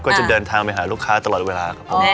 ก็จะเดินทางมาหาลูกค้าตลอดเวลา